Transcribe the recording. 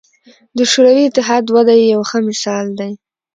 د شوروي اتحاد وده یې یو ښه مثال دی.